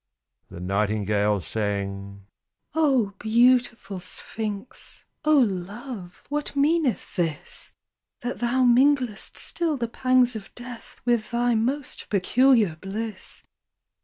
The nightingale sang: "Oh beautiful sphinx. Oh love! what meaneth this? That thou minglest still the pangs of death With thy most peculiar bliss?